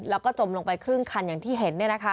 แล้วก็จมลงไปครึ่งคันอย่างที่เห็น